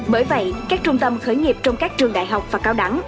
bởi vậy các trung tâm khởi nghiệp trong các trường đại học và cao đẳng